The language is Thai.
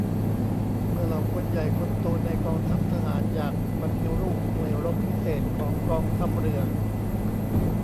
เมื่อเหล่าคนใหญ่คนโตในกองทัพทหารอยากปฏิรูปหน่วยรบพิเศษของกองทัพเรือ